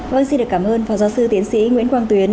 vâng xin được cảm ơn phó giáo sư tiến sĩ nguyễn quang tuyến